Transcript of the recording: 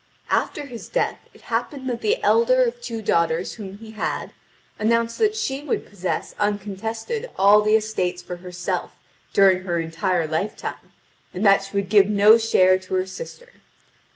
After his death it happened that the elder of two daughters whom he had, announced that she would possess uncontested all the estates for herself during her entire lifetime, and that she would give no share to her sister.